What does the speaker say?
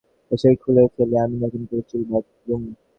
সেদিন সন্দীপের কাছ থেকে ফিরে এসেই চুল খুলে ফেলে আমি নতুন করে চুল বাঁধলুম।